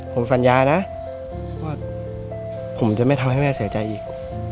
ผมสัญญานะว่าผมจะไม่ทำให้แม่เสียใจอีก